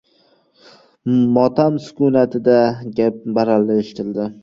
Motam sukunati-da, gap baralla eshitildi.